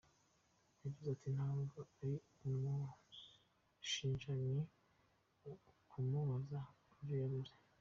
Yagize ati “Ntabwo ari ukumushinja, ni ukumubaza ku byo yavuze.